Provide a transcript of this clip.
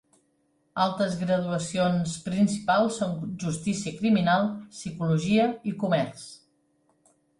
Altres graduacions principals són justícia criminal, psicologia i comerç.